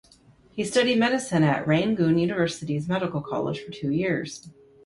He studied medicine at Rangoon University's Medical College for two years.